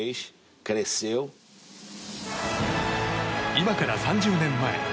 今から３０年前。